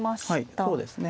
そうですね。